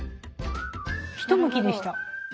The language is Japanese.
ひとむきでした。